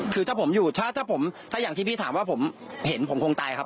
คือถ้าอย่างที่พี่ถามว่าผมเห็นผมคงตายครับ